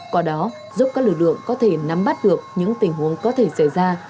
qua đó giúp các lực lượng có thể nắm bắt được những tình huống có thể xảy ra